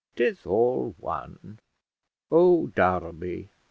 'Tis all one. Oh, Derby!